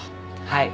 はい。